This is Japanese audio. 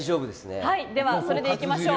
それでいきましょう。